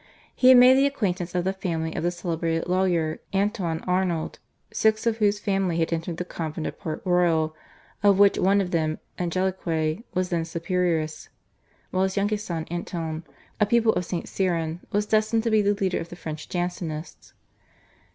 He had made the acquaintance of the family of the celebrated lawyer, Antoine Arnauld, six of whose family had entered the convent of Port Royal, of which one of them, Angelique, was then superioress, while his youngest son, Antoine, a pupil of St. Cyran, was destined to be the leader of the French Jansenists.